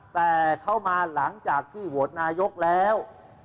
แต่เขามาหลังจากที่โหวตนายกแล้ว